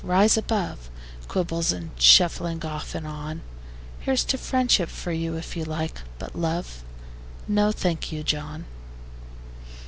Rise above Quibbles and shuffling off and on: Here's friendship for you if you like; but love, No, thank you, John.